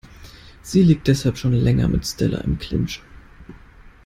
Sie liegt deshalb schon länger mit Stella im Clinch.